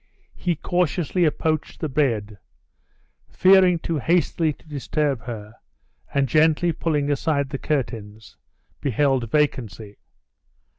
He cautiously approached the bed, fearing too hastily to disturb her, and gently pulling aside the curtains, beheld vacancy.